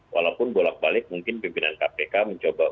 walaupun bolak balik mungkin pimpinan kpk mencoba untuk membuatnya lebih baik